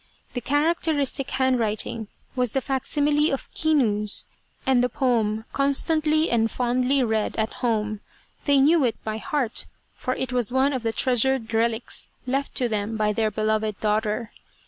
The characteristic handwriting was the facsimile of Kinu's, and the poem constantly and fondly read at home they knew it by heart, for it was one of the treasured relics left to them by their beloved daughter.